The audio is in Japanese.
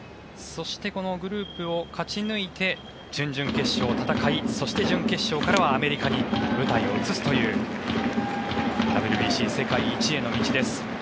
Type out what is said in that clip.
そしてグループを勝ち抜いて準々決勝を戦いそして、準決勝からはアメリカに舞台を移すというＷＢＣ世界一への道です。